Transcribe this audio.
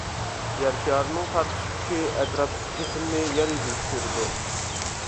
يەر شارىنىڭ تارتىش كۈچى ئەتراپتىكى جىسىمنى يەر يۈزىگە چۈشۈرىدۇ.